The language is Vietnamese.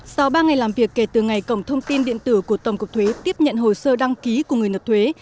sau ba ngày làm việc kể từ ngày cổng thông tin điện tử của tổng cục thuế tiếp nhận hồ sơ đăng ký của người nộp thuế